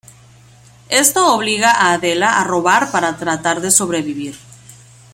Esto obliga a Adela a robar para tratar de sobrevivir.